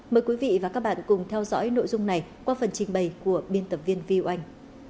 mời quý vị và các bạn cùng theo dõi nội dung này qua phần trình bày của biên tập viên viu anh